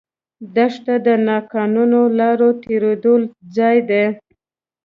دښته د ناقانونه لارو تېرېدو ځای ده.